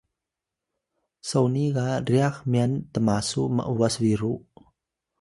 soni ga ryax myan tmasu m’was biru